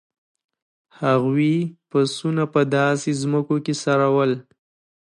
هغوی پسونه په داسې ځمکو کې څرول.